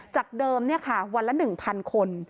จากเดิมนี่ค่ะวันละ๑๐๐๐คน